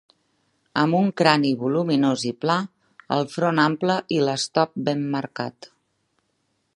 Amb un crani voluminós i pla, el front ample i el stop ben marcat.